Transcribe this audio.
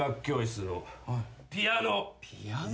ピアノ？